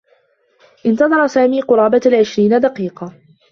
انتظر سامي قرابة العشرين دقيقة.